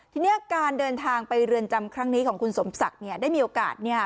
ทีนี้การเดินทางไปเรือนจำครั้งนี้ของคุณสมศักดิ์ได้มีโอกาส